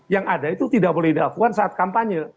yang ada itu tidak boleh dilakukan saat kampanye